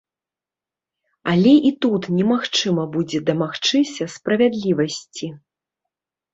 Але і тут немагчыма будзе дамагчыся справядлівасці.